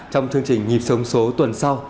trong chương trình nhịp sống số tuần sau